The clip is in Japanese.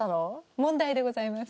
問題でございます。